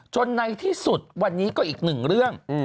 ในที่สุดวันนี้ก็อีกหนึ่งเรื่อง